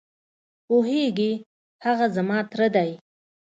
پوهېږې؟ هغه زما تره دی.